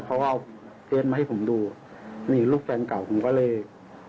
เขาก็เอาเคสมาให้ผมดูนี่ลูกแฟนเก่าผมก็เลย